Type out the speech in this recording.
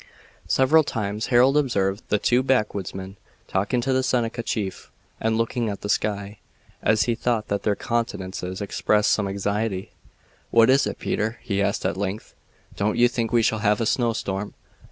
Several times Harold observed the two backwoodsmen talking with the Seneca chief and looking at the sky, and he thought that their countenances expressed some anxiety. "What is it, Peter?" he asked at length. "Don't you think we shall have a snowstorm?"